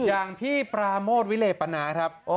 อย่างพี่ปราโมทวิเลปนาครับ